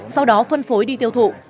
sau đó phân phối đi tiêu thụ